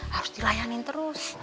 harus dilayanin terus